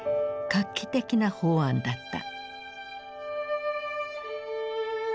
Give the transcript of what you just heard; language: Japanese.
画期的な法案だった。